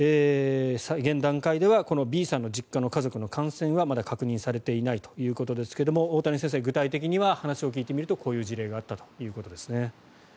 現段階ではＢさんの実家の家族の感染はまだ確認されていないということですが大谷先生、具体的には話を聞いてみるとこういう事例があったということですね。